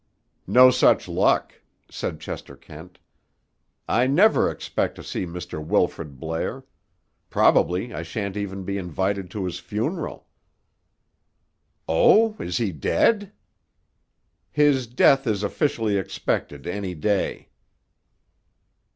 "No such luck," said Chester Kent. "I never expect to see Mr. Wilfrid Blair. Probably I shan't even be invited to his funeral." "Oh! Is he dead?" "His death is officially expected any day."